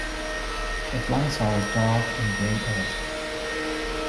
The flanks are dark and grey edged.